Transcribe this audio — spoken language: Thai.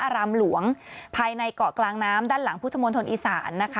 อารามหลวงภายในเกาะกลางน้ำด้านหลังพุทธมณฑลอีสานนะคะ